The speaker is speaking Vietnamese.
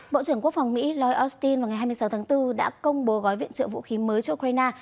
bộ trưởng quốc phòng mỹ lloyd austin vào ngày hai mươi sáu tháng bốn đã công bố gói viện trợ vũ khí mới cho ukraine